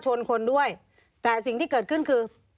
มีความรู้สึกว่ามีความรู้สึกว่า